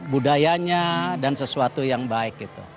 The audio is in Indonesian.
budayanya dan sesuatu yang baik gitu